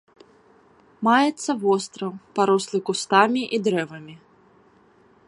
Маецца востраў, парослы кустамі і дрэвамі.